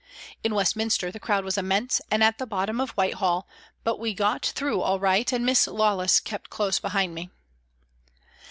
In Westminster the crowd was immense and at the bottom of Whitehall, but we got through all right, and Miss Lawless kept close behind me.